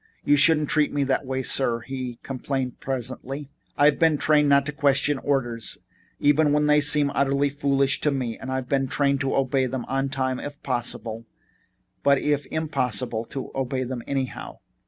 "You shouldn't treat me that way, sir," he complained presently. "I've been trained not to question orders, even when they seem utterly foolish to me; I've been trained to obey them on time, if possible, but if impossible, to obey them anyhow.